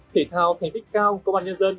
thể thao thành tích cao công an nhân dân